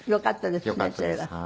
よかったですね